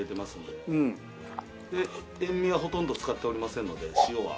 で塩味はほとんど使っておりませんので塩は。